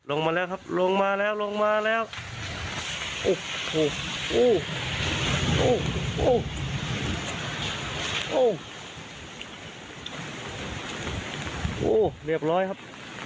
โอ้โหเรียบร้อยครับ